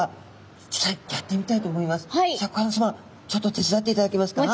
ちょっと手伝っていただけますか？